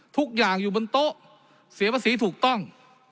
ทุกอย่างอยู่บนโต๊ะเสียภาษีถูกต้อง